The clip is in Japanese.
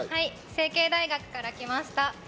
成蹊大学から来ました